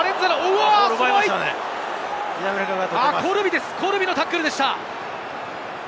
お、すごい！コルビのタックルでした。